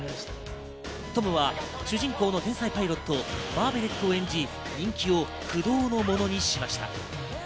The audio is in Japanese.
トムは主人公の天才パイロット、マーヴェリックを演じ、人気を不動のものにしました。